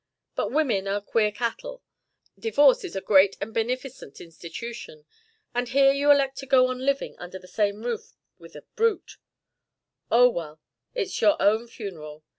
But women are queer cattle. Divorce is a great and beneficent institution, and here you elect to go on living under the same roof with a brute Oh, well, it's your own funeral.